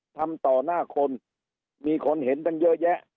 ทำต่อหน้าคนมีคนเห็นตั้งเยอะแยะ